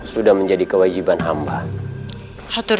sudah menjadi kewajiban ibu